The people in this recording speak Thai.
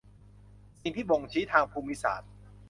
สิ่งที่บ่งชี้ทางภูมิศาสตร์